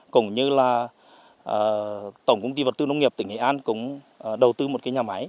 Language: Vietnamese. cũng như là tổng công ty vật tư nông nghiệp tỉnh nghệ an cũng đầu tư một cái nhà máy